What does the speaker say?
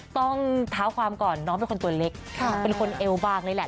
ต้องเท้าความก่อนน้องเป็นคนตัวเล็กเป็นคนเอวบางเลยแหละ